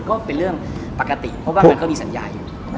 ก็เป็นเรื่องปกติเพราะว่ามันก็มีสัญญาอยู่